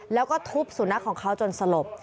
แล้วก็ทุบสุนัขของเขาจนสลบ